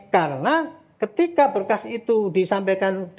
karena ketika berkas itu disampaikan